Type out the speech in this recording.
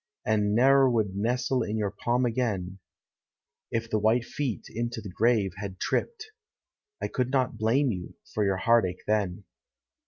And ne'er would nestle in your palm again; If the white feet into the grave had tripped, I could not blame you for your heartache then.